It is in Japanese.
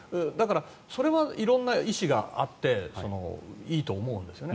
それは色んな意思があっていいと思うんですよね。